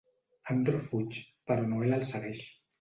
Andro fuig, però Noelle el segueix.